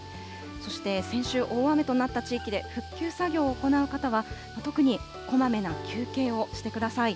そして先週大雨となった地域で復旧作業を行う方は、特にこまめな休憩をしてください。